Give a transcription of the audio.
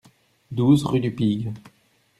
douze rue de Pigue